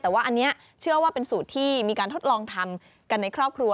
แต่ว่าอันนี้เชื่อว่าเป็นสูตรที่มีการทดลองทำกันในครอบครัว